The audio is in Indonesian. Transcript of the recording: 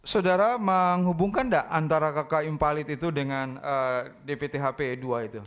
saudara menghubungkan tidak antara kakak impalit itu dengan dpthp dua itu